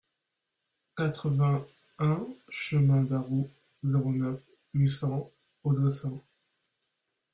quatre-vingt-un chemin d'Arrout, zéro neuf, huit cents, Audressein